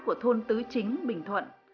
của thôn tứ chính bình thuận